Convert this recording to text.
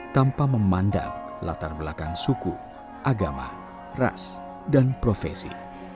tanpa memandang latar belakang suku agama ras dan profesi